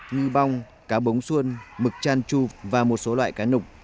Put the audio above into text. như bong cá bống xuân mực chan chu và một số loại cá nục